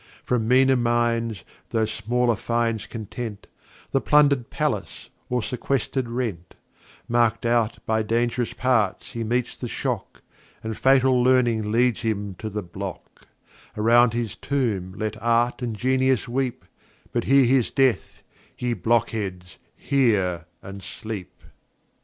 From meaner Minds, tho' smaller Fines content The plunder'd Palace or sequester'd Rent; Mark'd out by dangerous Parts he meets the Shock, And fatal Learning leads him to the Block: Around his Tomb let Art and Genius weep, But hear his Death, ye Blockheads, hear and sleep.